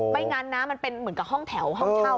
ไม่งั้นนะมันเป็นเหมือนกับห้องแถวห้องเช่า